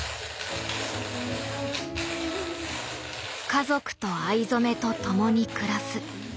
家族と藍染めと共に暮らす。